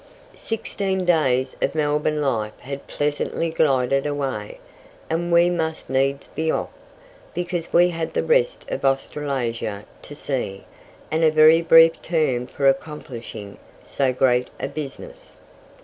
Sixteen days of Melbourne life had pleasantly glided away, and we must needs be off, because we had the rest of Australasia to see, and a very brief term for accomplishing so great a business.